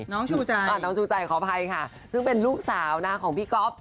น้องชูใจค่ะน้องชูใจขอบภัยค่ะซึ่งเป็นลูกสาวนะของพี่ก๊อฟ